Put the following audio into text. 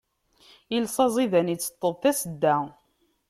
Iles aẓidan iteṭṭeḍ tasedda.